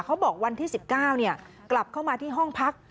เขาบอกวันที่สิบเก้าเนี่ยกลับเข้ามาที่ห้องพัก